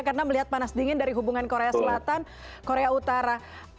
karena melihat panas dingin dari hubungan korea selatan korea utara